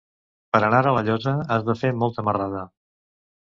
Per anar a La Llosa has de fer molta marrada.